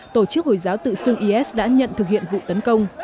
tổ chức hồi giáo tự xưng is đã nhận thực hiện vụ tấn công